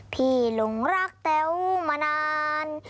หลงรักแต้วมานาน